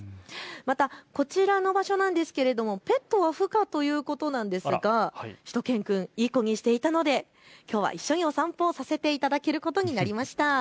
またこちらの場所なんですがペットは不可ということなんですがしゅと犬くん、いい子にしていたのできょうは一緒にお散歩させていただけることになりました。